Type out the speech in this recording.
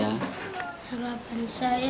dan saya seperti orang pintar gitu